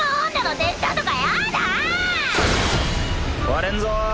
壊れんぞ。